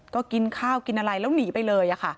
ก็กินข้าวกินอะไรแล้วหนีไปเลย